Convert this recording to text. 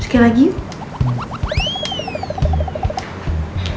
sikit lagi yuk